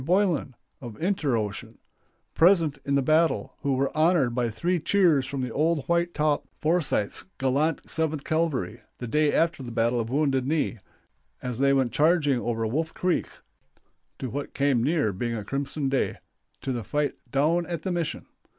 Boylan (of Inter Ocean), present in the battle, who were honored by three cheers from "Old White Top" Forsyth's gallant Seventh Cavalry, the day after the battle of "Wounded Knee," as they went charging over Wolf Creek to what came near being a crimson day to the fight "down at the mission."